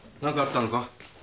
何かあったのか？